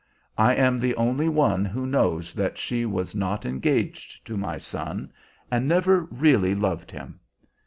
I am the only one who knows that she was not engaged to my son, and never really loved him.